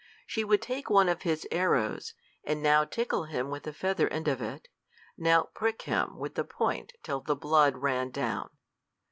She would take one of his arrows, and now tickle him with the feather end of it, now prick him with the point till the blood ran down.